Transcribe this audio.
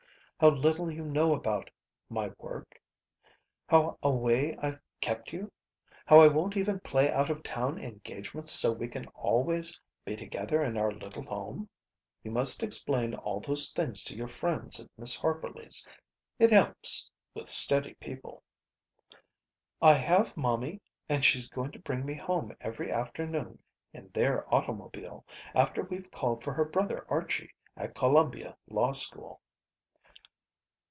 How little you know about my work? How away I've kept you? How I won't even play out of town engagements so we can always be together in our little home? You must explain all those things to your friends at Miss Harperly's. It helps with steady people." "I have, momie, and she's going to bring me home every afternoon in their automobile after we've called for her brother Archie at Columbia Law School."